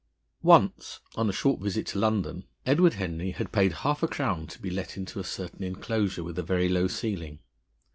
Once, on a short visit to London, Edward Henry had paid half a crown to be let into a certain enclosure with a very low ceiling.